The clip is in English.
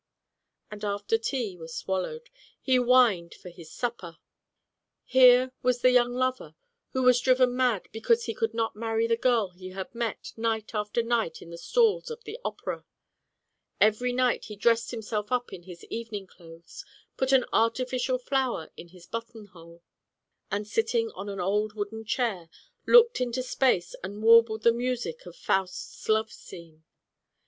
And after tea was swallowed he whined for his supper. Here was the young lover who was driven mad because he could not marry the girl he had met night after night in the stalls of the opera. Every night he dressed himself up in his evening clothes, put an artificial flower in his button hole, and sitting on an old wooden chair, Digitized by Google ^24 rifE Pa te op pestella. looked into space and warbled the music of Faust^s love scene.